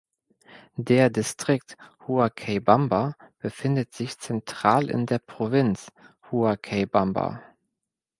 Der Distrikt Huacaybamba befindet sich zentral in der Provinz Huacaybamba.